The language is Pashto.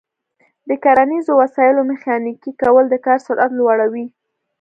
د کرنیزو وسایلو میخانیکي کول د کار سرعت لوړوي.